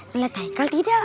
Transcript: lihat haikal tidak